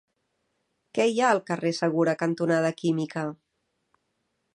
Què hi ha al carrer Segura cantonada Química?